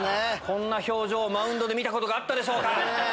こんな表情マウンドで見たことがあったでしょうか。